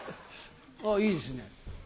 あっいいですね。